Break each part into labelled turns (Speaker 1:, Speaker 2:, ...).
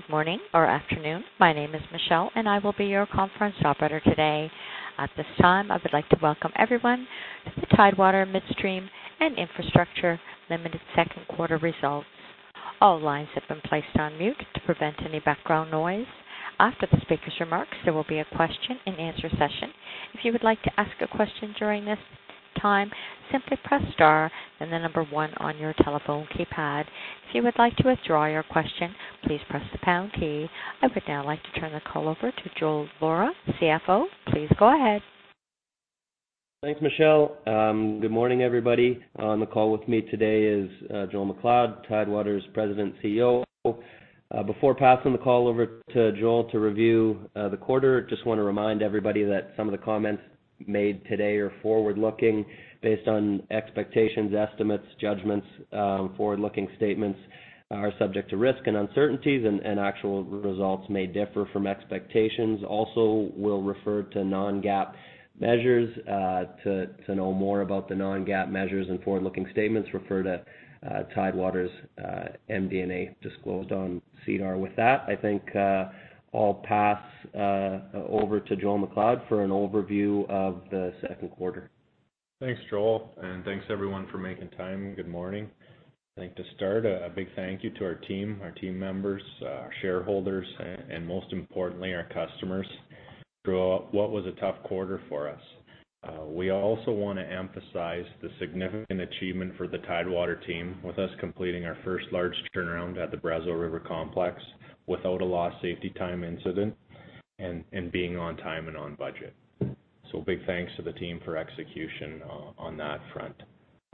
Speaker 1: Good morning or afternoon. My name is Michelle, and I will be your conference operator today. At this time, I would like to welcome everyone to the Tidewater Midstream and Infrastructure Limited second quarter results. All lines have been placed on mute to prevent any background noise. After the speaker's remarks, there will be a question and answer session. If you would like to ask a question during this time, simply press star then the number one on your telephone keypad. If you would like to withdraw your question, please press the pound key. I would now like to turn the call over to Joel Vorra, CFO. Please go ahead.
Speaker 2: Thanks, Michelle. Good morning, everybody. On the call with me today is Joel MacLeod, Tidewater's President, CEO. Before passing the call over to Joel to review the quarter, just want to remind everybody that some of the comments made today are forward-looking based on expectations, estimates, judgments. Forward-looking statements are subject to risks and uncertainties, and actual results may differ from expectations. We'll refer to non-GAAP measures. To know more about the non-GAAP measures and forward-looking statements, refer to Tidewater's MD&A disclosed on SEDAR. I think I'll pass over to Joel MacLeod for an overview of the second quarter.
Speaker 3: Thanks, Joel, thanks everyone for making time. Good morning. I'd like to start, a big thank you to our team, our team members, our shareholders, and most importantly, our customers, through what was a tough quarter for us. We also want to emphasize the significant achievement for the Tidewater team with us completing our first large turnaround at the Brazeau River Complex without a lost safety time incident and being on time and on budget. Big thanks to the team for execution on that front.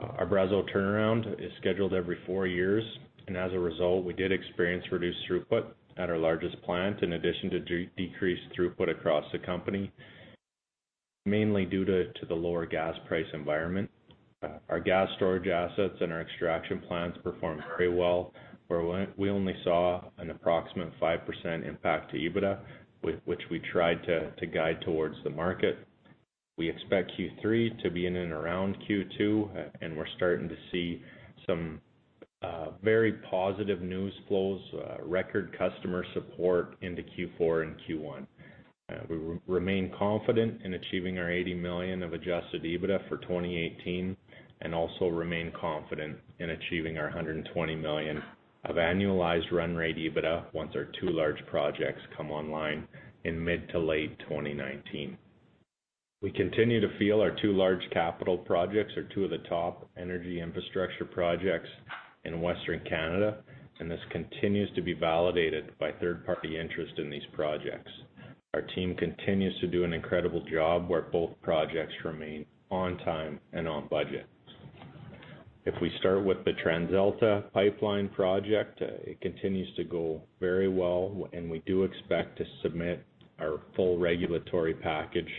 Speaker 3: Our Brazeau turnaround is scheduled every four years, and as a result, we did experience reduced throughput at our largest plant, in addition to decreased throughput across the company, mainly due to the lower gas price environment. Our gas storage assets and our extraction plants performed very well, where we only saw an approximate 5% impact to EBITDA, which we tried to guide towards the market. We expect Q3 to be in and around Q2. We're starting to see some very positive news flows, record customer support into Q4 and Q1. We remain confident in achieving our 80 million of adjusted EBITDA for 2018 and also remain confident in achieving our 120 million of annualized run rate EBITDA once our two large projects come online in mid to late 2019. We continue to feel our two large capital projects are two of the top energy infrastructure projects in Western Canada. This continues to be validated by third-party interest in these projects. Our team continues to do an incredible job where both projects remain on time and on budget. If we start with the TransAlta pipeline project, it continues to go very well, and we do expect to submit our full regulatory package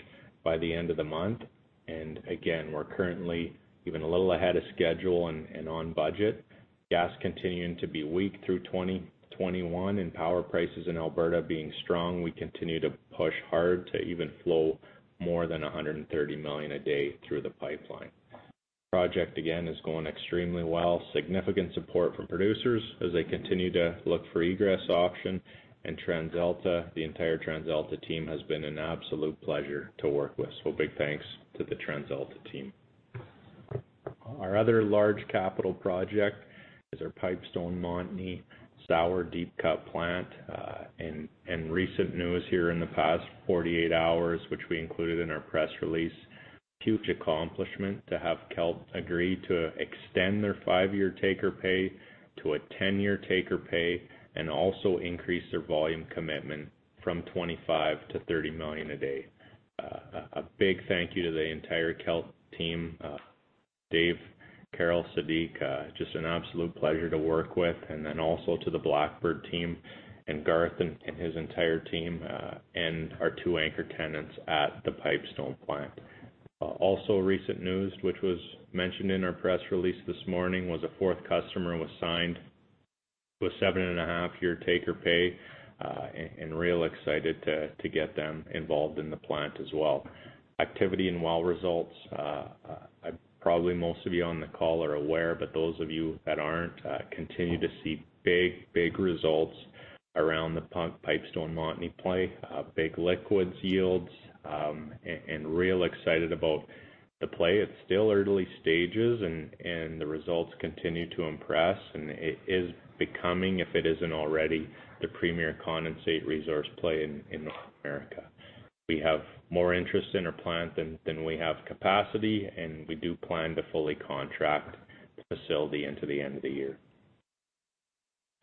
Speaker 3: by the end of the month. Again, we're currently even a little ahead of schedule and on budget. Gas continuing to be weak through 2021 and power prices in Alberta being strong, we continue to push hard to even flow more than 130 million a day through the pipeline. Project, again, is going extremely well. Significant support from producers as they continue to look for egress option and TransAlta, the entire TransAlta team has been an absolute pleasure to work with. Big thanks to the TransAlta team. Our other large capital project is our Pipestone Montney Sour Deep-Cut plant. Recent news here in the past 48 hours, which we included in our press release, huge accomplishment to have Kelt agree to extend their 5-year take-or-pay to a 10-year take-or-pay and also increase their volume commitment from 25 million to 30 million a day. A big thank you to the entire Kelt team, Dave, Carol, Sadiq, just an absolute pleasure to work with, and then also to the Blackbird team and Garth and his entire team, and our two anchor tenants at the Pipestone plant. Also recent news, which was mentioned in our press release this morning, was a fourth customer was signed with a 7.5-year take-or-pay, and real excited to get them involved in the plant as well. Activity and well results, probably most of you on the call are aware, but those of you that aren't, continue to see big results around the Pipestone Montney play. Big liquids yields, real excited about the play. It's still early stages and the results continue to impress, and it is becoming, if it isn't already, the premier condensate resource play in North America. We have more interest in our plant than we have capacity, and we do plan to fully contract the facility into the end of the year.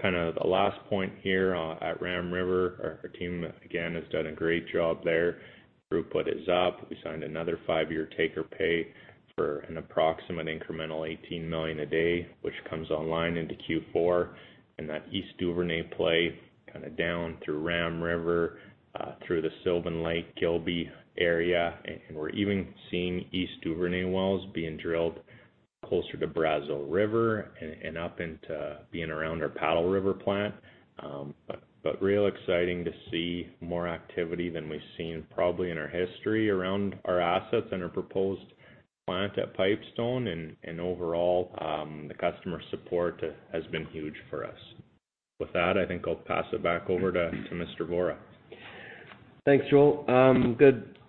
Speaker 3: Kind of the last point here at Ram River, our team again has done a great job there. Throughput is up. We signed another 5-year take-or-pay for an approximate incremental 18 million a day, which comes online into Q4. That East Duvernay play, kind of down through Ram River, through the Sylvan Lake Gilby area. We're even seeing East Duvernay wells being drilled closer to Brazeau River and up into being around our Paddle River plant. Real exciting to see more activity than we've seen probably in our history around our assets and our proposed plant at Pipestone, and overall, the customer support has been huge for us. With that, I think I'll pass it back over to Mr. Vorra.
Speaker 2: Thanks, Joel.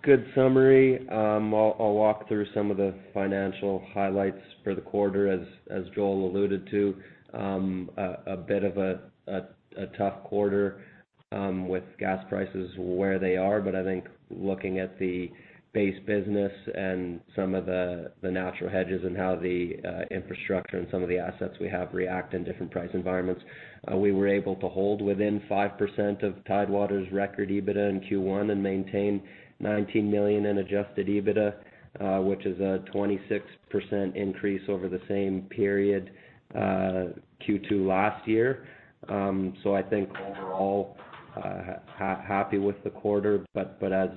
Speaker 2: Good summary. I'll walk through some of the financial highlights for the quarter, as Joel alluded to. A bit of a tough quarter with gas prices where they are, but I think looking at the base business and some of the natural hedges and how the infrastructure and some of the assets we have react in different price environments, we were able to hold within 5% of Tidewater's record EBITDA in Q1 and maintain 19 million in adjusted EBITDA, which is a 26% increase over the same period Q2 last year. Overall, happy with the quarter, but as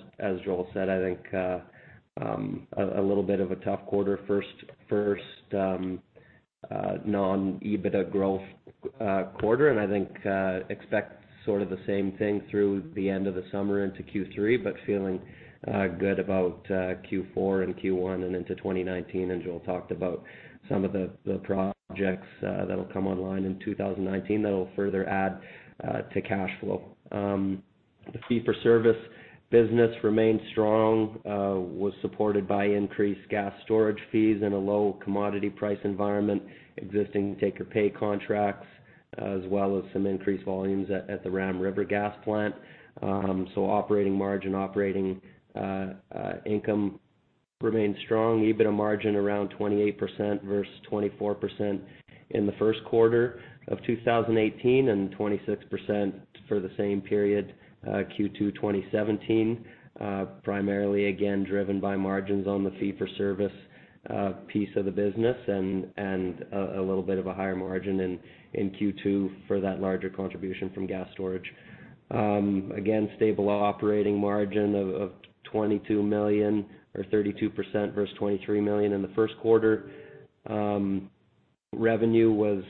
Speaker 2: Joel said, I think a little bit of a tough quarter, first non-EBITDA growth quarter and I think expect sort of the same thing through the end of the summer into Q3, but feeling good about Q4 and Q1 and into 2019. Joel talked about some of the projects that'll come online in 2019 that'll further add to cash flow. The fee-for-service business remained strong, was supported by increased gas storage fees in a low commodity price environment, existing take-or-pay contracts, as well as some increased volumes at the Ram River Gas Plant. Operating margin, operating income remained strong. EBITDA margin around 28% versus 24% in the first quarter of 2018 and 26% for the same period, Q2 2017, primarily, again, driven by margins on the fee-for-service piece of the business and a little bit of a higher margin in Q2 for that larger contribution from gas storage. Again, stable operating margin of 32% versus 23 million in the first quarter. Revenue was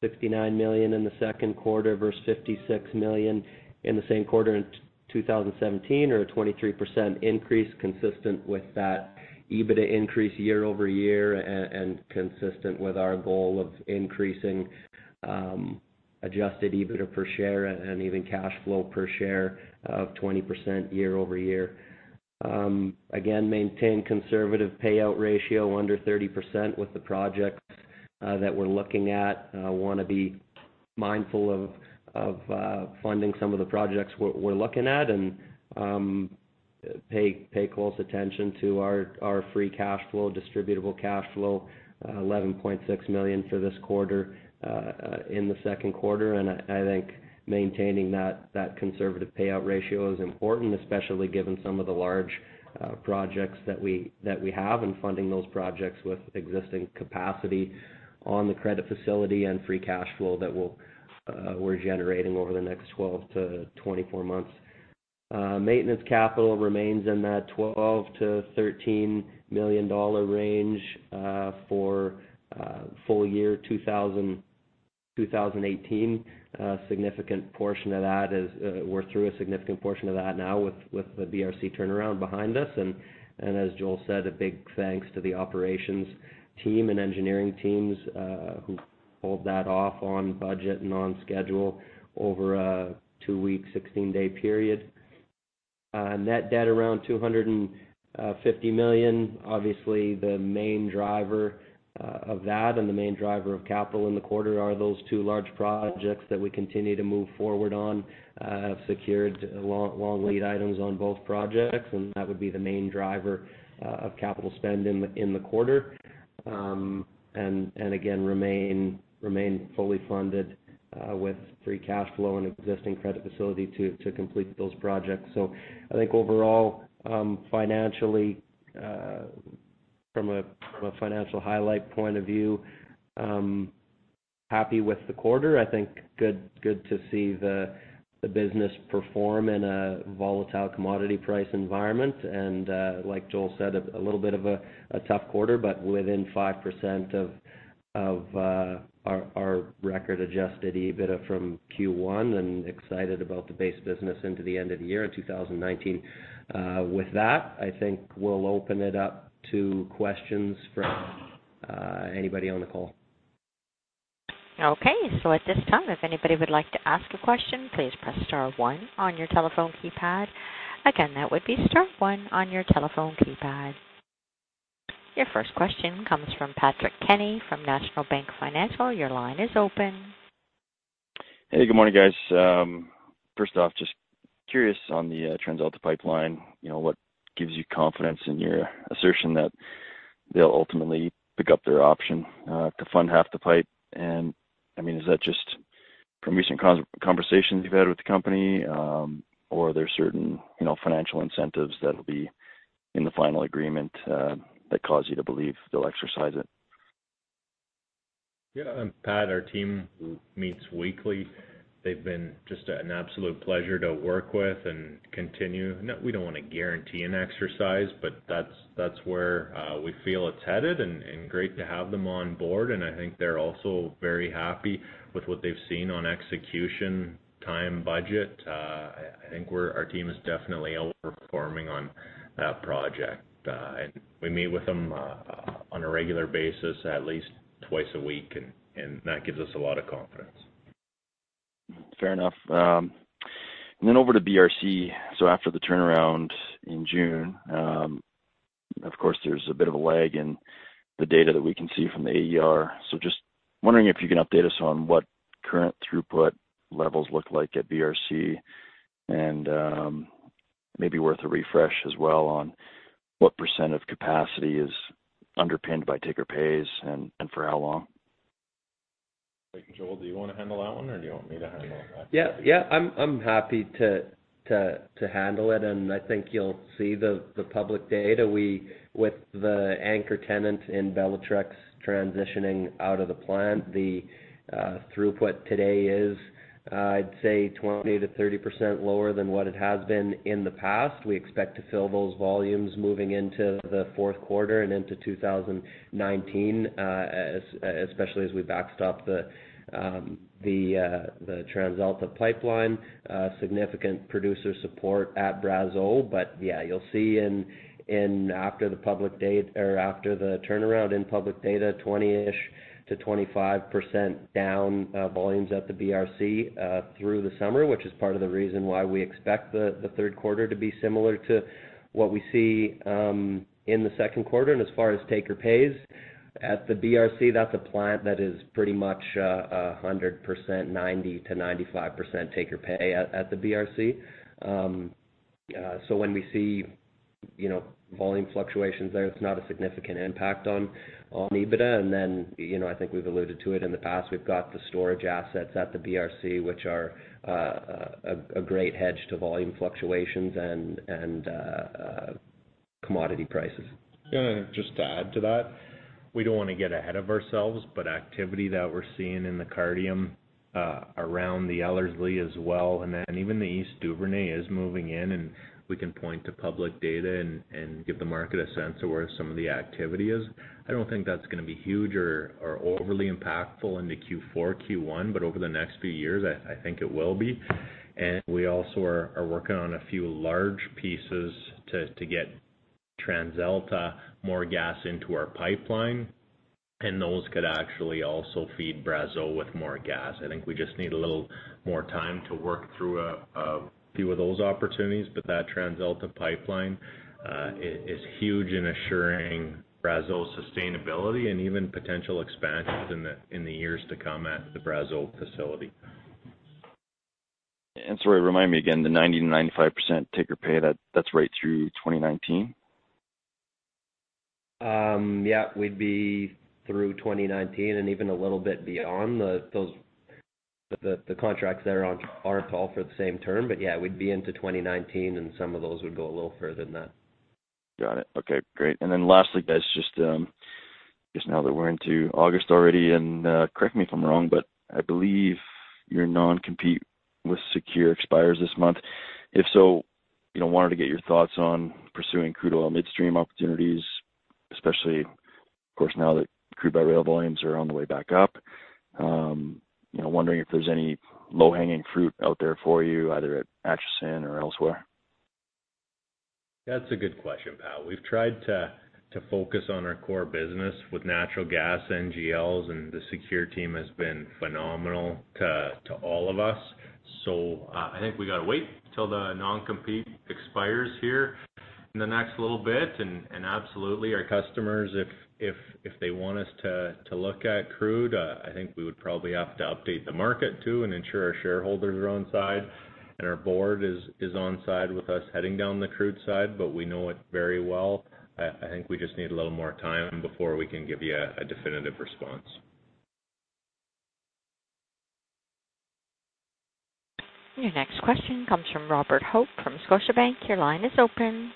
Speaker 2: 69 million in the second quarter versus 56 million in the same quarter in 2017, or a 23% increase consistent with that EBITDA increase year-over-year and consistent with our goal of increasing adjusted EBITDA per share and even cash flow per share of 20% year-over-year. Again, maintain conservative payout ratio under 30% with the projects that we're looking at. Want to be mindful of funding some of the projects we're looking at and pay close attention to our free cash flow, distributable cash flow, 11.6 million for this quarter in the second quarter. I think maintaining that conservative payout ratio is important, especially given some of the large projects that we have and funding those projects with existing capacity on the credit facility and free cash flow that we're generating over the next 12-24 months. Maintenance capital remains in that 12 million-13 million dollar range for full year 2018. We're through a significant portion of that now with the BRC turnaround behind us, and as Joel said, a big thanks to the operations team and engineering teams who pulled that off on budget and on schedule over a two-week, 16-day period. Net debt around 250 million. Obviously, the main driver of that and the main driver of capital in the quarter are those two large projects that we continue to move forward on, have secured long lead items on both projects, and that would be the main driver of capital spend in the quarter. Again, remain fully funded with free cash flow and existing credit facility to complete those projects. I think overall, financially, from a financial highlight point of view, happy with the quarter. I think good to see the business perform in a volatile commodity price environment, like Joel said, a little bit of a tough quarter, within 5% of our record adjusted EBITDA from Q1 and excited about the base business into the end of the year in 2019. With that, I think we'll open it up to questions from anybody on the call.
Speaker 1: Okay. At this time, if anybody would like to ask a question, please press star one on your telephone keypad. Again, that would be star one on your telephone keypad. Your first question comes from Patrick Kenny from National Bank Financial. Your line is open.
Speaker 4: Hey, good morning, guys. First off, just curious on the TransAlta pipeline, what gives you confidence in your assertion that they'll ultimately pick up their option to fund half the pipe? I mean, is that just from recent conversations you've had with the company, or are there certain financial incentives that'll be in the final agreement that cause you to believe they'll exercise it?
Speaker 3: Yeah, Pat, our team meets weekly. They've been just an absolute pleasure to work with. We don't want to guarantee an exercise, that's where we feel it's headed, great to have them on board, I think they're also very happy with what they've seen on execution, time, budget. I think our team is definitely outperforming on that project. We meet with them on a regular basis, at least twice a week, that gives us a lot of confidence.
Speaker 4: Fair enough. Over to BRC. After the turnaround in June, of course, there's a bit of a lag in the data that we can see from the AER. Just wondering if you can update us on what current throughput levels look like at BRC, and maybe worth a refresh as well on what % of capacity is underpinned by take-or-pays and for how long.
Speaker 3: Wait, Joel, do you want to handle that one or do you want me to handle that?
Speaker 2: Yeah. I'm happy to handle it, I think you'll see the public data. With the anchor tenant in Bellatrix transitioning out of the plant, the throughput today is, I'd say 20%-30% lower than what it has been in the past. We expect to fill those volumes moving into the fourth quarter and into 2019, especially as we backstop the TransAlta pipeline, significant producer support at Brazeau. Yeah, you'll see after the turnaround in public data, 20-ish to 25% down volumes at the BRC through the summer, which is part of the reason why we expect the third quarter to be similar to what we see in the second quarter. As far as take-or-pays at the BRC, that's a plant that is pretty much 100%, 90%-95% take-or-pay at the BRC. When we see volume fluctuations there, it's not a significant impact on EBITDA. I think we've alluded to it in the past, we've got the storage assets at the BRC, which are a great hedge to volume fluctuations and commodity prices.
Speaker 3: Just to add to that, we don't want to get ahead of ourselves, but activity that we're seeing in the Cardium, around the Ellerslie as well, and then even the East Duvernay is moving in, and we can point to public data and give the market a sense of where some of the activity is. I don't think that's going to be huge or overly impactful into Q4, Q1, but over the next few years, I think it will be. We also are working on a few large pieces to get TransAlta more gas into our pipeline. Those could actually also feed Brazeau with more gas. I think we just need a little more time to work through a few of those opportunities, but that TransAlta pipeline is huge in assuring Brazeau's sustainability and even potential expansions in the years to come at the Brazeau facility.
Speaker 4: Sorry, remind me again, the 90%-95% take-or-pay, that's right through 2019?
Speaker 2: We'd be through 2019 and even a little bit beyond. The contracts there aren't all for the same term, but we'd be into 2019 and some of those would go a little further than that.
Speaker 4: Got it. Okay, great. Lastly, guys, just now that we're into August already, and correct me if I'm wrong, but I believe your non-compete with Secure expires this month. If so, wanted to get your thoughts on pursuing crude oil midstream opportunities, especially of course now that crude by rail volumes are on the way back up. Wondering if there's any low-hanging fruit out there for you, either at Acheson or elsewhere.
Speaker 3: That's a good question, Pat. We've tried to focus on our core business with natural gas, NGLs, and the Secure team has been phenomenal to all of us. I think we got to wait till the non-compete expires here in the next little bit. Absolutely our customers, if they want us to look at crude, I think we would probably have to update the market too and ensure our shareholders are on side and our board is on side with us heading down the crude side, but we know it very well. I think we just need a little more time before we can give you a definitive response.
Speaker 1: Your next question comes from Robert Hope from Scotiabank. Your line is open.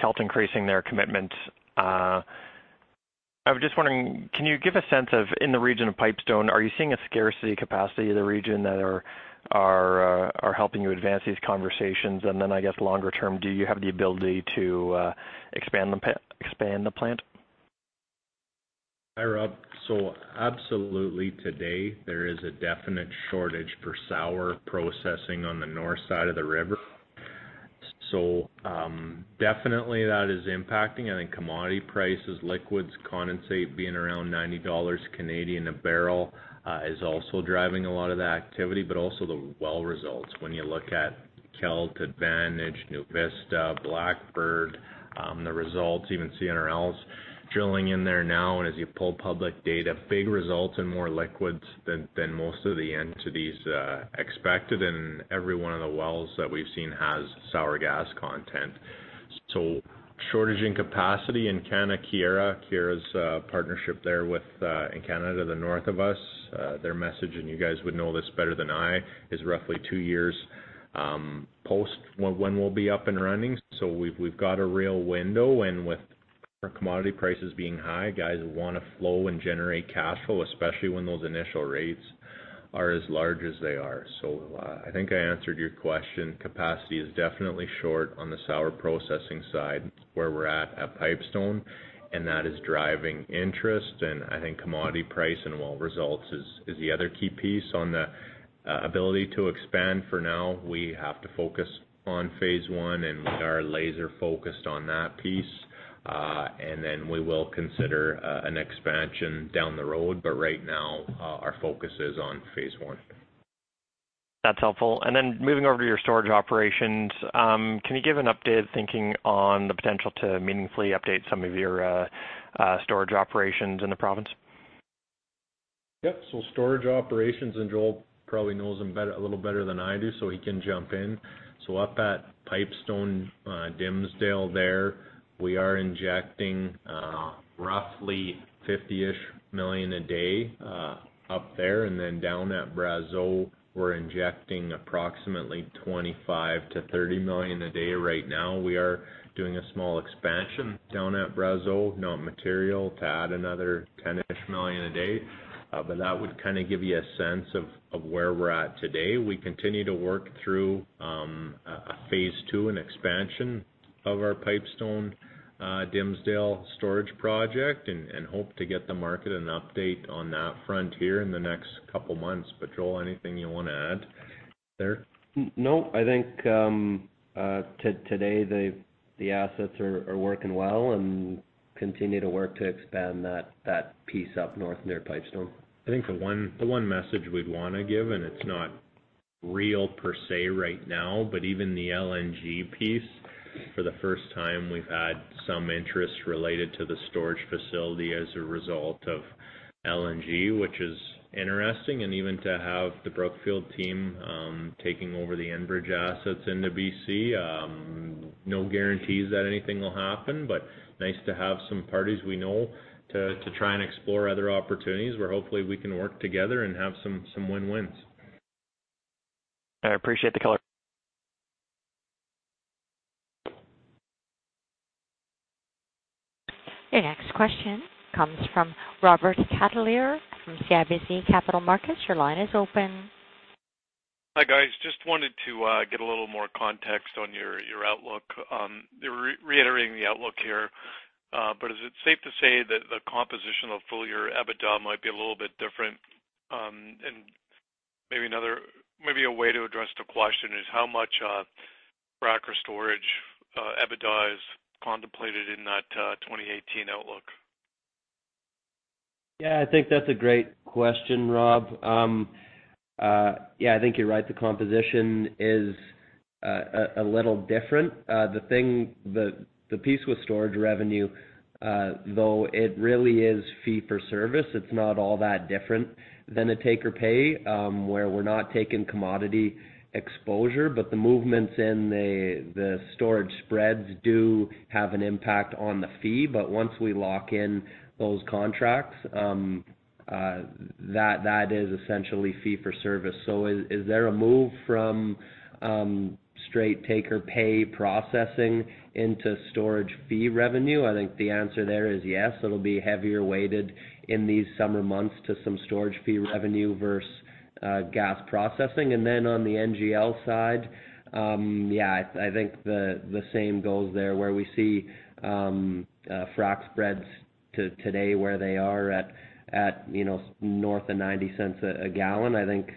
Speaker 5: Kelt increasing their commitment. I was just wondering, can you give a sense of, in the region of Pipestone, are you seeing a scarcity capacity of the region that are helping you advance these conversations? Then I guess longer term, do you have the ability to expand the plant?
Speaker 3: Hi, Rob. Absolutely, today, there is a definite shortage for sour processing on the north side of the river. Definitely that is impacting, I think commodity prices, liquids, condensate being around 90 Canadian dollars a barrel, is also driving a lot of the activity, but also the well results. When you look at Kelt, Advantage, NuVista, Blackbird, the results, even CNRL's drilling in there now, as you pull public data, big results and more liquids than most of the entities expected. Every one of the wells that we've seen has sour gas content. Shortage in capacity in Canada, Keyera's partnership there in Canada, the north of us, their message, and you guys would know this better than I, is roughly 2 years, post when we'll be up and running. We've got a real window, with our commodity prices being high, guys want to flow and generate cash flow, especially when those initial rates are as large as they are. I think I answered your question. Capacity is definitely short on the sour processing side, where we're at at Pipestone, and that is driving interest and I think commodity price and well results is the other key piece. On the ability to expand for now, we have to focus on phase 1, we are laser focused on that piece. We will consider an expansion down the road. Right now, our focus is on phase 1.
Speaker 5: That's helpful. Moving over to your storage operations, can you give an update of thinking on the potential to meaningfully update some of your storage operations in the province?
Speaker 3: Yep. Storage operations, Joel probably knows them a little better than I do, he can jump in. Up at Pipestone Dimsdale there, we are injecting roughly 50 million a day up there, down at Brazeau, we're injecting approximately 25 million to 30 million a day right now. We are doing a small expansion down at Brazeau, not material, to add another 10 million a day. That would give you a sense of where we're at today. We continue to work through a phase II expansion of our Pipestone Dimsdale storage project, and hope to get the market an update on that front here in the next couple of months. Joel, anything you want to add there?
Speaker 2: No. I think today, the assets are working well and continue to work to expand that piece up north near Pipestone.
Speaker 3: I think the one message we'd want to give. It's not real per se right now, but even the LNG piece, for the first time, we've had some interest related to the storage facility as a result of LNG, which is interesting. Even to have the Brookfield team taking over the Enbridge assets into B.C., no guarantees that anything will happen, but nice to have some parties we know to try and explore other opportunities where hopefully we can work together and have some wins.
Speaker 5: I appreciate the color.
Speaker 1: Your next question comes from Robert Catellier from CIBC Capital Markets. Your line is open.
Speaker 6: Hi, guys. Just wanted to get a little more context on your outlook. You're reiterating the outlook here, but is it safe to say that the composition of full-year EBITDA might be a little bit different? Maybe a way to address the question is how much frac and storage EBITDA is contemplated in that 2018 outlook?
Speaker 2: Yeah, I think that's a great question, Rob. Yeah, I think you're right, the composition is a little different. The piece with storage revenue, though it really is fee for service, it's not all that different than a take-or-pay, where we're not taking commodity exposure. The movements in the storage spreads do have an impact on the fee. Once we lock in those contracts, that is essentially fee for service. Is there a move from straight take-or-pay processing into storage fee revenue? I think the answer there is yes, it'll be heavier weighted in these summer months to some storage fee revenue versus gas processing. On the NGL side, yeah, I think the same goes there, where we see frac spreads today where they are at north of 0.90 a gallon. I think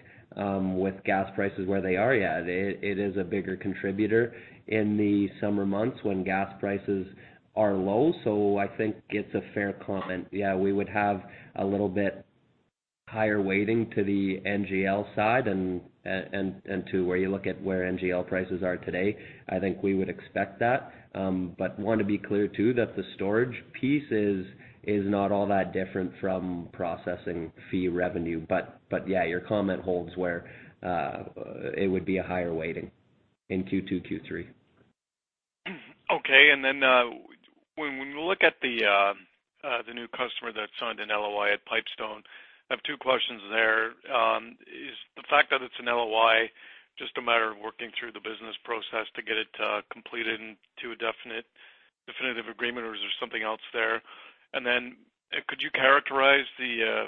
Speaker 2: with gas prices where they are, yeah, it is a bigger contributor in the summer months when gas prices are low. I think it's a fair comment. Yeah, we would have a little bit higher weighting to the NGL side and to where you look at where NGL prices are today. I think we would expect that. Want to be clear, too, that the storage piece is not all that different from processing fee revenue. Yeah, your comment holds where it would be a higher weighting in Q2, Q3.
Speaker 6: Okay. When we look at the new customer that signed an LOI at Pipestone, I have two questions there. Is the fact that it's an LOI just a matter of working through the business process to get it completed into a definitive agreement, or is there something else there? Could you characterize the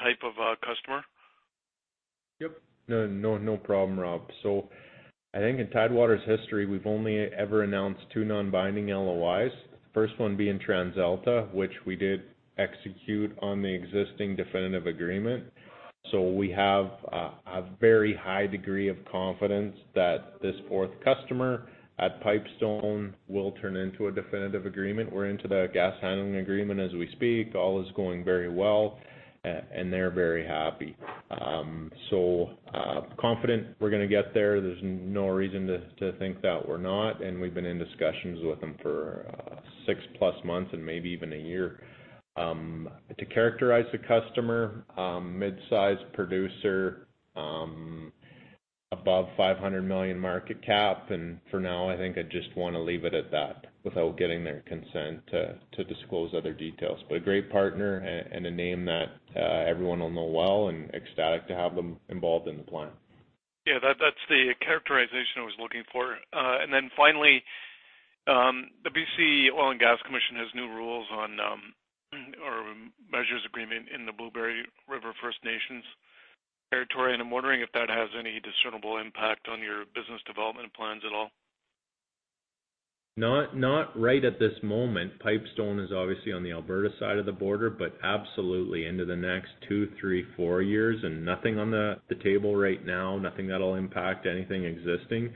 Speaker 6: type of customer?
Speaker 3: Yep. No problem, Rob. I think in Tidewater's history, we've only ever announced two non-binding LOIs. First one being TransAlta, which we did execute on the existing definitive agreement. We have a very high degree of confidence that this fourth customer at Pipestone will turn into a definitive agreement. We're into the gas handling agreement as we speak. All is going very well, and they're very happy. Confident we're going to get there. There's no reason to think that we're not, and we've been in discussions with them for six-plus months and maybe even a year. To characterize the customer, mid-size producer, above 500 million market cap, for now, I think I just want to leave it at that without getting their consent to disclose other details. A great partner and a name that everyone will know well and ecstatic to have them involved in the plan.
Speaker 6: Yeah, that's the characterization I was looking for. Finally, the BC Oil and Gas Commission has new rules on, or measures agreement in the Blueberry River First Nations territory, and I'm wondering if that has any discernible impact on your business development plans at all.
Speaker 3: Not right at this moment. Pipestone is obviously on the Alberta side of the border, but absolutely into the next two, three, four years and nothing on the table right now, nothing that'll impact anything existing.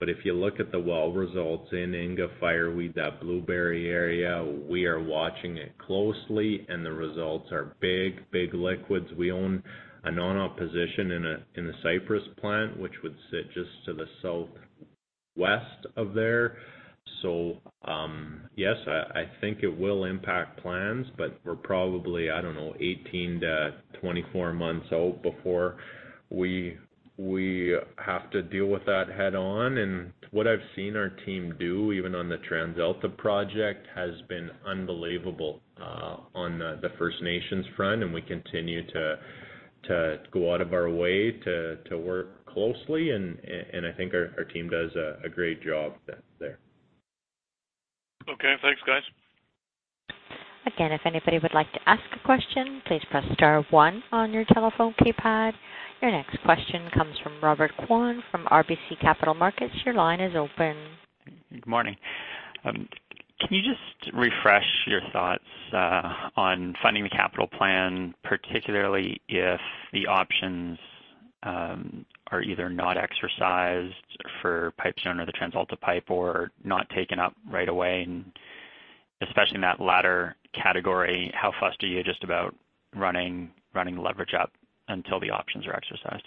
Speaker 3: If you look at the well results in Inga, Fireweed, that Blueberry area, we are watching it closely, and the results are big. Big liquids. We own a non-op position in the Cypress plant, which would sit just to the southwest of there. Yes, I think it will impact plans, but we're probably, I don't know, 18 to 24 months out before we have to deal with that head-on. What I've seen our team do, even on the TransAlta project, has been unbelievable on the First Nations front, and we continue to go out of our way to work closely. I think our team does a great job there.
Speaker 6: Okay. Thanks, guys.
Speaker 1: If anybody would like to ask a question, please press star one on your telephone keypad. Your next question comes from Robert Kwan from RBC Capital Markets. Your line is open.
Speaker 7: Good morning. Can you just refresh your thoughts on funding the capital plan, particularly if the options are either not exercised for Pipestone or the TransAlta pipe, or not taken up right away? Especially in that latter category, how fussed are you just about running leverage up until the options are exercised?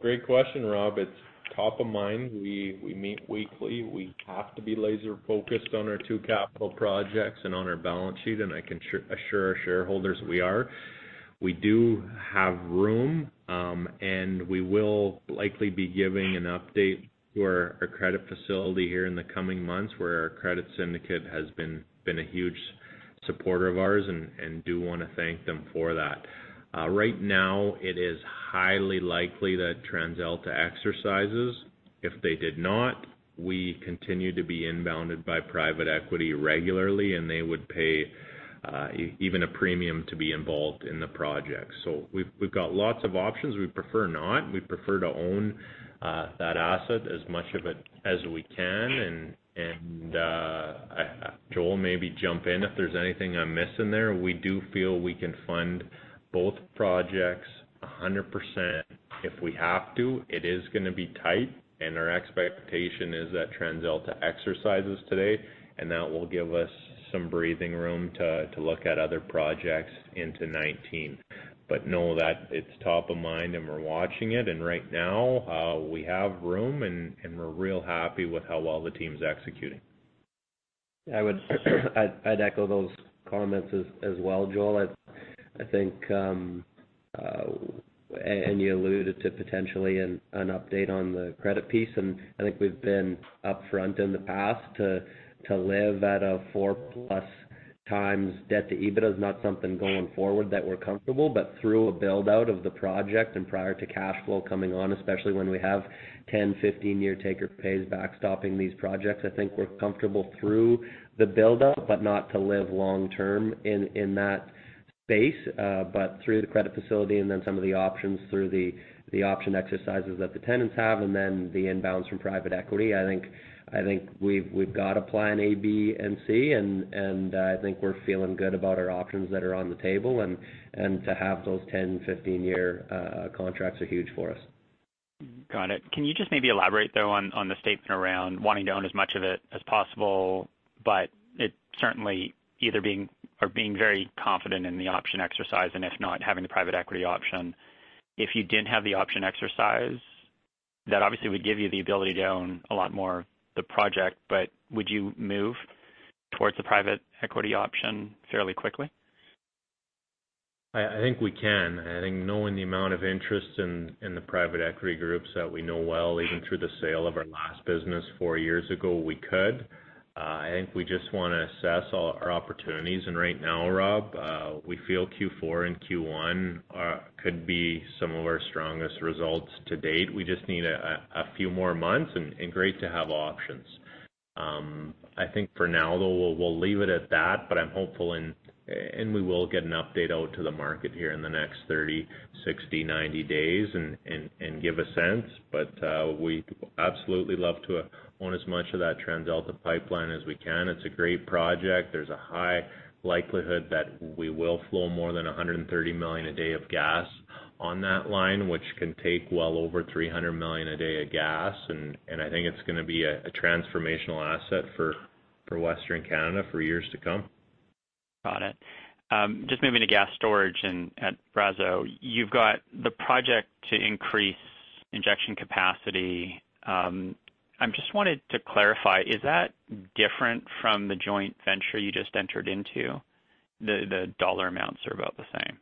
Speaker 3: Great question, Rob. It's top of mind. We meet weekly. We have to be laser-focused on our two capital projects and on our balance sheet. I can assure our shareholders we are. We do have room. We will likely be giving an update to our credit facility here in the coming months where our credit syndicate has been a huge supporter of ours and do want to thank them for that. Right now, it is highly likely that TransAlta exercises. If they did not, we continue to be inbounded by private equity regularly, and they would pay even a premium to be involved in the project. We've got lots of options. We'd prefer not. We'd prefer to own that asset, as much of it as we can. Joel, maybe jump in if there's anything I'm missing there. We do feel we can fund both projects 100% if we have to. It is going to be tight. Our expectation is that TransAlta exercises today, and that will give us some breathing room to look at other projects into 2019. Know that it's top of mind and we're watching it. Right now, we have room and we're real happy with how well the team's executing.
Speaker 2: I'd echo those comments as well, Joel. You alluded to potentially an update on the credit piece, and I think we've been upfront in the past to live at a four-plus times debt to EBITDA is not something going forward that we're comfortable, but through a build-out of the project and prior to cash flow coming on, especially when we have 10, 15-year take-or-pays backstopping these projects, I think we're comfortable through the build-up, but not to live long-term in that space. Through the credit facility and then some of the options through the option exercises that the tenants have and then the inbounds from private equity, I think we've got a plan A, B, and C, and I think we're feeling good about our options that are on the table, and to have those 10, 15-year contracts are huge for us.
Speaker 7: Got it. Can you just maybe elaborate, though, on the statement around wanting to own as much of it as possible, but it certainly either being or being very confident in the option exercise, and if not, having the private equity option. If you didn't have the option exercise, that obviously would give you the ability to own a lot more of the project, but would you move towards the private equity option fairly quickly?
Speaker 3: I think we can. I think knowing the amount of interest in the private equity groups that we know well, even through the sale of our last business four years ago, we could. I think we just want to assess all our opportunities, and right now, Rob, we feel Q4 and Q1 could be some of our strongest results to date. We just need a few more months, and great to have options. I think for now, though, we'll leave it at that, but I'm hopeful and we will get an update out to the market here in the next 30, 60, 90 days and give a sense. We'd absolutely love to own as much of that TransAlta pipeline as we can. It's a great project. There's a high likelihood that we will flow more than 130 million a day of gas on that line, which can take well over 300 million a day of gas, and I think it's going to be a transformational asset for Western Canada for years to come.
Speaker 7: Got it. Just moving to gas storage at Brazeau. You've got the project to increase injection capacity. I just wanted to clarify, is that different from the joint venture you just entered into? The dollar amounts are about the same.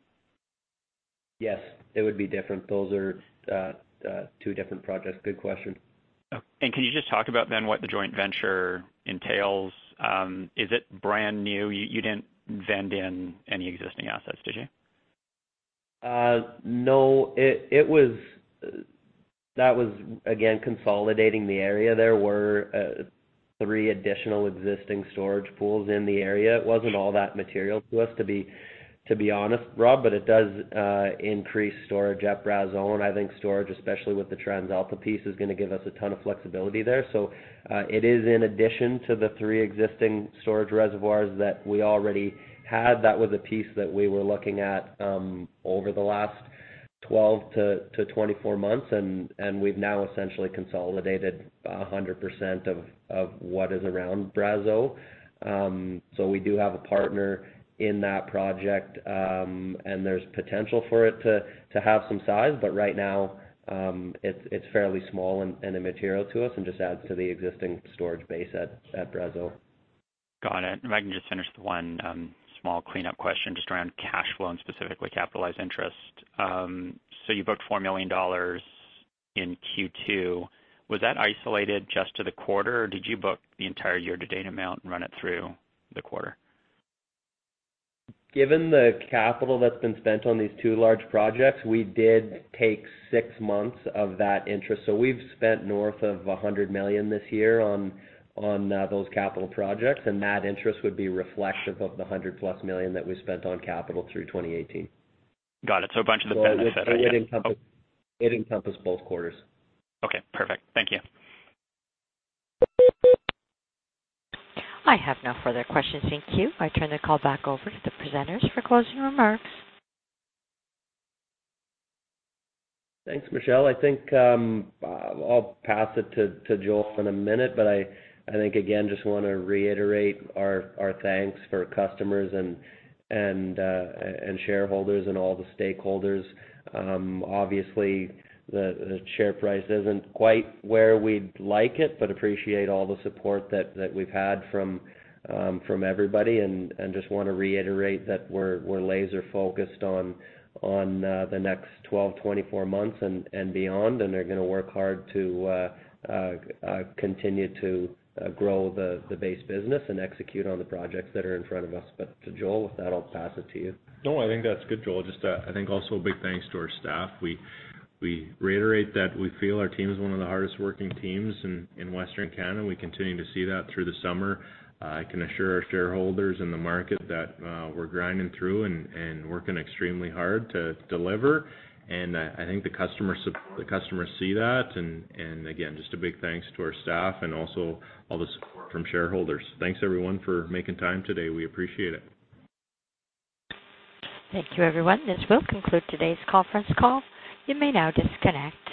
Speaker 2: Yes, it would be different. Those are two different projects. Good question.
Speaker 7: Can you just talk about then what the joint venture entails? Is it brand new? You didn't vend in any existing assets, did you?
Speaker 2: No. That was, again, consolidating the area. There were three additional existing storage pools in the area. It wasn't all that material to us, to be honest, Rob, but it does increase storage at Brazeau, and I think storage, especially with the TransAlta piece, is going to give us a ton of flexibility there. It is in addition to the three existing storage reservoirs that we already had. That was a piece that we were looking at over the last 12-24 months, and we've now essentially consolidated 100% of what is around Brazeau. We do have a partner in that project, and there's potential for it to have some size. Right now, it's fairly small and immaterial to us and just adds to the existing storage base at Brazeau.
Speaker 7: If I can just finish with one small cleanup question just around cash flow and specifically capitalized interest. You booked 4 million dollars in Q2. Was that isolated just to the quarter, or did you book the entire year-to-date amount and run it through the quarter?
Speaker 2: Given the capital that's been spent on these two large projects, we did take 6 months of that interest. We've spent north of 100 million this year on those capital projects, and that interest would be reflective of the 100-plus million that we spent on capital through 2018.
Speaker 7: Got it. A bunch of the-
Speaker 2: It encompass both quarters.
Speaker 7: Okay, perfect. Thank you.
Speaker 1: I have no further questions. Thank you. I turn the call back over to the presenters for closing remarks.
Speaker 2: Thanks, Michelle. I think I'll pass it to Joel in a minute. I think, again, just want to reiterate our thanks for customers and shareholders and all the stakeholders. Obviously, the share price isn't quite where we'd like it. Appreciate all the support that we've had from everybody and just want to reiterate that we're laser-focused on the next 12, 24 months and beyond and are going to work hard to continue to grow the base business and execute on the projects that are in front of us. To Joel, with that, I'll pass it to you.
Speaker 3: I think that's good, Joel. Just I think also a big thanks to our staff. We reiterate that we feel our team is one of the hardest-working teams in Western Canada. We continue to see that through the summer. I can assure our shareholders in the market that we're grinding through and working extremely hard to deliver, and I think the customers see that. Again, just a big thanks to our staff and also all the support from shareholders. Thanks everyone for making time today. We appreciate it.
Speaker 1: Thank you, everyone. This will conclude today's conference call. You may now disconnect.